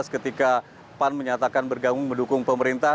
ketika pan menyatakan bergabung mendukung pemerintah